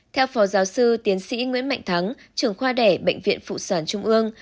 theo phó giáo sư tiến sĩ nguyễn mạnh thắng trưởng khoa đẻ bệnh viện phụ sản trung ương